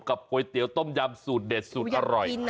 ก๋วยเตี๋ยวต้มยำสูตรเด็ดสูตรอร่อย